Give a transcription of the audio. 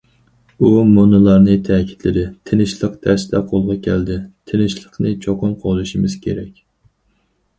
ئۇ مۇنۇلارنى تەكىتلىدى: تىنچلىق تەستە قولغا كەلدى، تىنچلىقنى چوقۇم قوغدىشىمىز كېرەك.